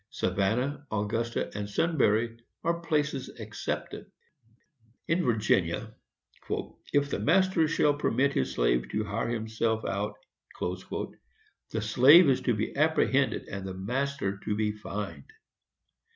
Savannah, Augusta, and Sunbury, are places excepted. [Sidenote: Stroud, p. 47] In Virginia, "if the master shall permit his slave to hire himself out," the slave is to be apprehended, &c., and the master to be fined.